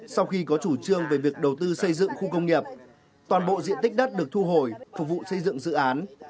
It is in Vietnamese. sau khi có chủ trương về việc đầu tư xây dựng khu công nghiệp toàn bộ diện tích đất được thu hồi phục vụ xây dựng dự án